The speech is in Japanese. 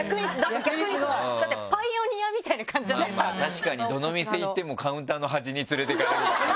確かにどの店行ってもカウンターの端に連れていかれるからね。